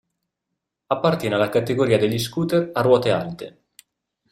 Appartiene alla categoria degli scooter a ruote alte.